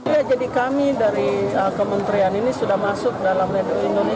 ya jadi kami dari kementerian ini